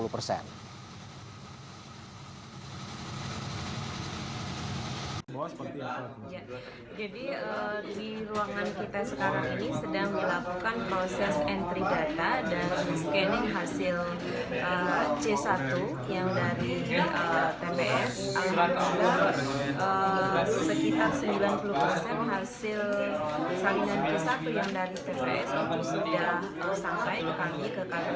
pembangunan kpu sumbawa